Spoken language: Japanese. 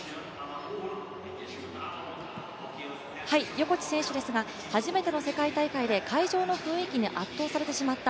横地選手ですが初めての世界大会で会場の雰囲気に圧倒されてしまった。